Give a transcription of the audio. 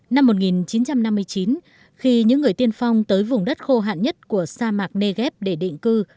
năm một nghìn chín trăm năm mươi chín khi những người tiên phong tới vùng đất khô hạn nhất của sa mạc negev để định cư